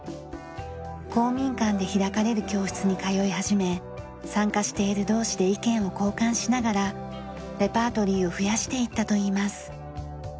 公民館で開かれる教室に通い始め参加している同士で意見を交換しながらレパートリーを増やしていったといいます。